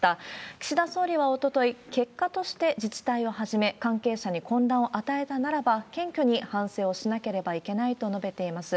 岸田総理はおととい、結果として自治体をはじめ、関係者に混乱を与えたならば、謙虚に反省をしなければいけないと述べています。